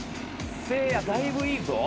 せいやだいぶいいぞ。